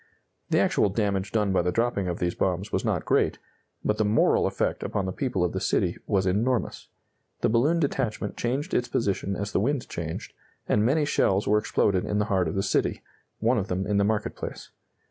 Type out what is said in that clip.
The actual damage done by the dropping of these bombs was not great, but the moral effect upon the people of the city was enormous. The balloon detachment changed its position as the wind changed, and many shells were exploded in the heart of the city, one of them in the market place.